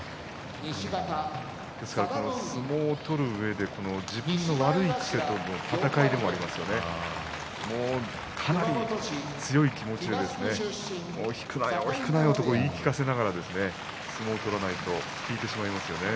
ですから相撲を取るうえで自分の悪い癖との闘いでもありますよね。かなり強い気持ちで引くなよ、と言い聞かせながら相撲を取らないと引いてしまいますよね。